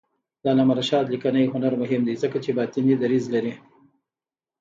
د علامه رشاد لیکنی هنر مهم دی ځکه چې باطني دریځ لري.